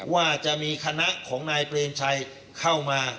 ว่าจะมีคณะของนายเปรมชัยเข้ามา